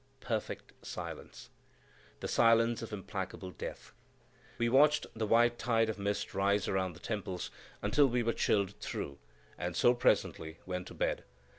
Perfect silence,—the silence of implacable death. We watched the white tide of mist rise around the temples, until we were chilled through, and so presently went to bed.